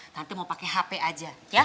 nanti mau pakai hp aja